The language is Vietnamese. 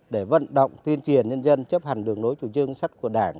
để vận động tiên triển nhân dân chấp hành đường đối chủ chương sách của đảng